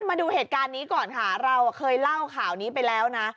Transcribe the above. มาดูเหตุการณ์นี้ก่อนค่ะเราเคยเล่าข่าวนี้ไปแล้วนะ